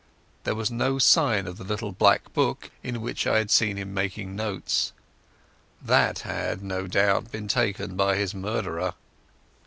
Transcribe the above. There was no sign of the little black book in which I had seen him making notes. That had no doubt been taken by his murderer.